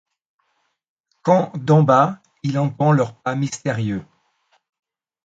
Quand d’en bas il entend leur pas mystérieux.